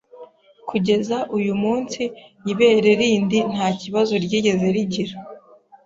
kugeza uyu munsi ibere rindi nta kibazo ryigeze rigira